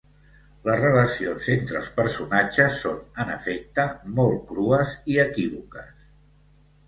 Les relacions entre els personatges són en efecte molt crues i equívoques.